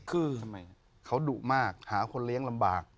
ขอเหลี้ยงมากหาคนเลี้ยงลำบาก